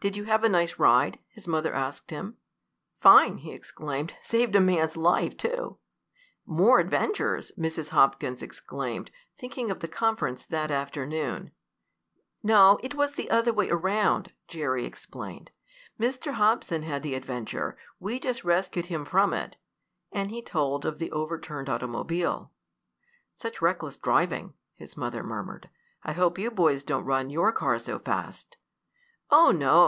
"Did you have a nice ride?" his mother asked him. "Fine!" he exclaimed. "Saved a man's life, too!" "More adventures!" Mrs. Hopkins exclaimed, thinking of the conference that afternoon. "No, it was the other way around," Jerry explained. "Mr. Hobson had the adventure, we just rescued him from it," and he told of the overturned automobile. "Such reckless driving!" his mother murmured. "I hope you boys don't run your car so fast." "Oh, no!"